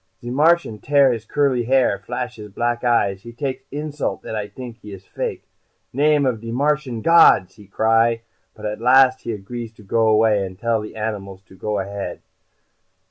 "Ze Martian tear his curly hair, flash his black eyes. He takes insult that I t'ink he is fake. 'Name of de Martian gods!' he cry. But at last he agree to go away, and tell animals to go ahead."